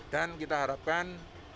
dan kita harapkan